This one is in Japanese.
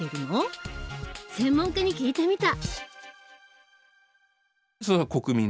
専門家に聞いてみた。